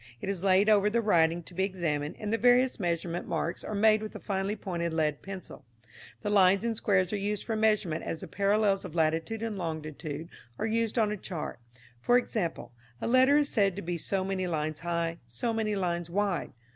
It is laid over the writing to be examined, and the various measurement marks are made with a finely pointed lead pencil. The lines and squares are used for measurement as the parallels of latitude and longitude are used on a chart. For example, a letter is said to be so many lines high, so many lines wide.